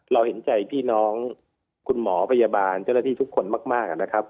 เราเห็นใจพี่น้องคุณหมอพยาบาลเจ้าหน้าที่ทุกคนมากนะครับ